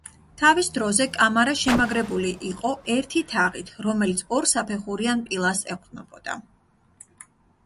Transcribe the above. თავის დროზე კამარა შემაგრებული იყო ერთი თაღით, რომელიც ორსაფეხურიან პილასტრს ეყრდნობოდა.